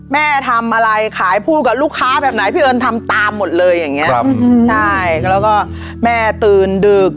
แม่ทำอะไรขายพูดกับลูกค้าแบบไหนพี่เอิญทำตามหมดเลยอย่างเงี้ครับใช่แล้วก็แม่ตื่นดึก